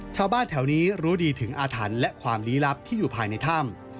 ชาวบ้านแถวนี้รู้ดีถึงอาถรรพ์และความลี้ลับที่อยู่ภายในถ้ำ